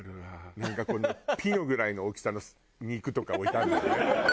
なんかこのピノぐらいの大きさの肉とか置いてあるのよね。